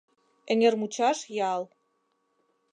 Эҥермучаш ял.